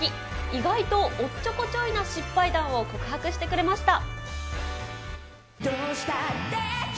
意外とおっちょこちょいな失敗談を告白してくれました。